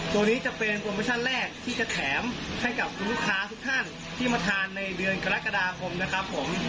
ตัวนี้จะเป็นโปรโมชั่นแรกที่จะแถมให้กับลูกค้าทุกท่านที่มาทานในเดือนกรกฎาคมนะครับผม